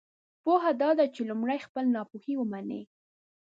پوهه دا ده چې لمړی خپله ناپوهۍ ومنی!